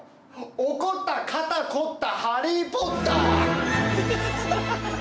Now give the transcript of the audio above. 怒った肩凝った「ハリー・ポッター」。